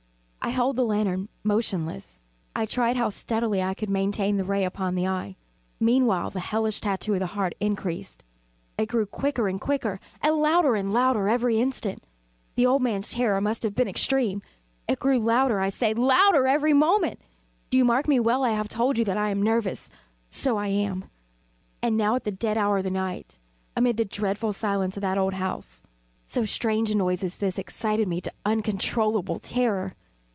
I held the lantern motionless. I tried how steadily I could maintain the ray upon the eve. Meantime the hellish tattoo of the heart increased. It grew quicker and quicker, and louder and louder every instant. The old man's terror must have been extreme! It grew louder, I say, louder every moment! do you mark me well I have told you that I am nervous: so I am. And now at the dead hour of the night, amid the dreadful silence of that old house, so strange a noise as this excited me to uncontrollable terror.